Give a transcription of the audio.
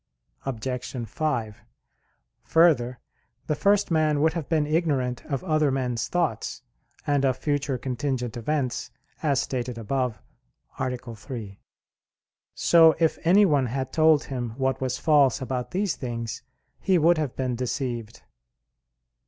Obj. 5: Further, the first man would have been ignorant of other men's thoughts, and of future contingent events, as stated above (A. 3). So if anyone had told him what was false about these things, he would have been deceived.